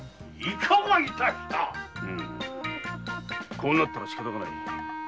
こうなったらしかたない。